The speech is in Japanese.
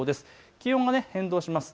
気温も変動します。